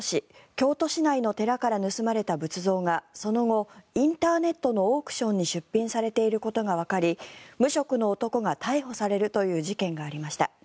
京都市内の寺から盗まれた仏像がその後、インターネットのオークションに出品されていることがわかり無職の男が逮捕されるという事件がありました。